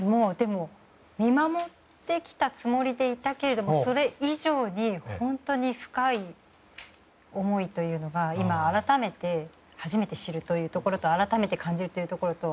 見守ってきたつもりでいたけれどそれ以上に本当に深い思いというのが今、改めて初めて知るというところと改めて感じるところと。